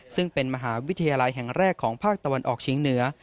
ซึ่งเป็นมหาวิทยาลัยแห่งแรกของภาคตะวันออกเฉียงเหนือ